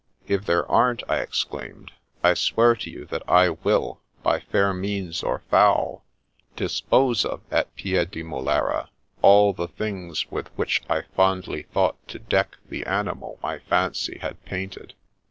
" If there aren't," I exclaimed, " I swear to you that I will, by fair means or foul, dispose of at Piedimulera all the things with which I fondly thought to deck the animal my fancy had painted.